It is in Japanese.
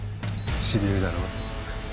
しびれるだろ。